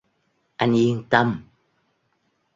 Anh yên tâm